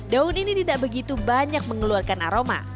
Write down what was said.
daun ini tidak begitu banyak mengeluarkan aroma